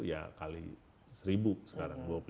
ya kali seribu sekarang